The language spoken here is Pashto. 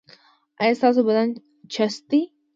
ایا ستاسو بدن چست دی؟